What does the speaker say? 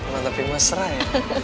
gak tapi gak serah ya